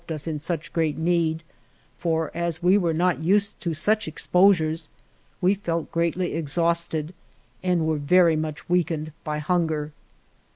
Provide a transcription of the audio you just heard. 19 THE JOURNEY OF ed us in such great need, for, as we were not used to such exposures, we felt greatly exhausted, and were much weakened by hunger.